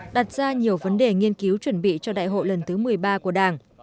đặt ra nhiều vấn đề nghiên cứu chuẩn bị cho đại hội lần thứ một mươi ba của đảng